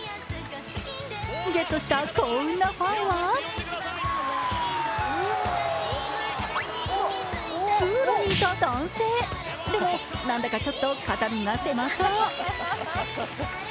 ゲットしたこんなファンは通路にいた男性、でも、なんだかちょっと肩身が狭そう。